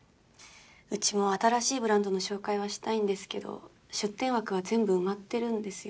うちも新しいブランドの紹介はしたいんですけど出展枠は全部埋まってるんですよ。